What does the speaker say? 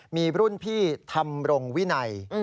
มีรุ่นพี่ทำรงวินัย